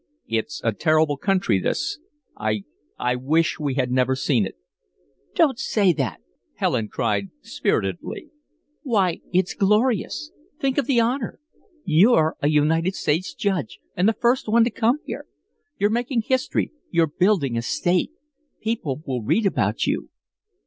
"It's a terrible country this I I wish we had never seen it." "Don't say that," Helen cried, spiritedly. "Why, it's glorious. Think of the honor. You're a United States judge and the first one to come here. You're making history you're building a State people will read about you."